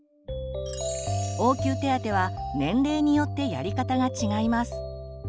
応急手当は年齢によってやり方が違います。